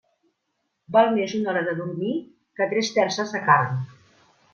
Val més una hora de dormir que tres terces de carn.